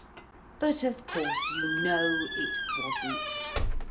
But of course you know it wasn't.